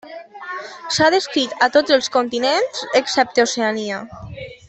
S'ha descrit a tots els continents excepte Oceania.